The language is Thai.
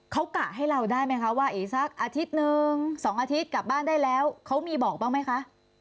เขากะให้เราได้ไหมคะว่าอีกสักอาทิตย์หนึ่ง๒อาทิตย์กลับบ้านได้แล้วเขามีบอกบ้างไหมคะ